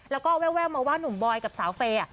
แล้วก็แววมาว่าหนุ่มบอยกับสาวเฟย์